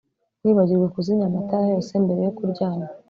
ntiwibagirwe kuzimya amatara yose mbere yo kuryama